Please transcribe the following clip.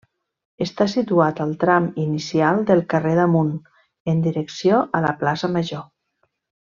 Està situat al tram inicial del carrer d'Amunt en direcció a la plaça Major.